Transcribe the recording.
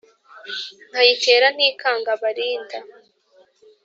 Nkayitera ntikanga abarinda